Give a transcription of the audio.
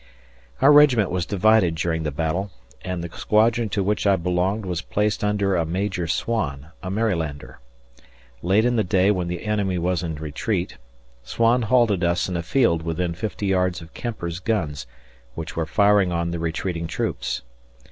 Our regiment was divided during the battle, and the squadron to which I belonged was placed under a Major Swan, a Marylander. Late in the day when the enemy was in retreat, Swan halted us in a field within fifty yards of Kemper's guns, which were firing on the retreating troops.